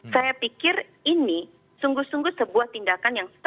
saya pikir ini sungguh sungguh sebuah tindakan yang